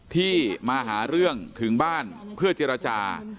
ที่มาหาเรื่องถึงบ้านเพื่อเจรจา